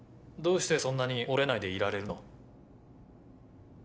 どうしてそんなに折れないでいられるの？